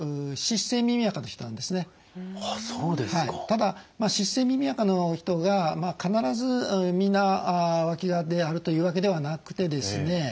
ただ湿性耳あかの人が必ずみんなわきがであるというわけではなくてですね